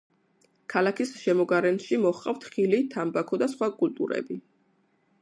ქალაქის შემოგარენში მოჰყავთ ხილი, თამბაქო და სხვა კულტურები.